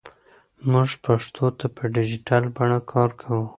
موږ پښتو ته په ډیجیټل بڼه کار کوو.